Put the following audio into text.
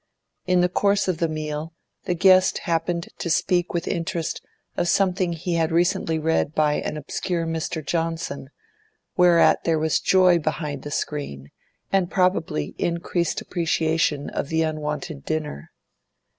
In the course of the meal, the guest happened to speak with interest of something he had recently read by an obscure Mr. Johnson; whereat there was joy behind the screen, and probably increased appreciation of the unwonted dinner.